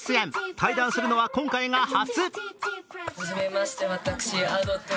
対談するのは今回が初。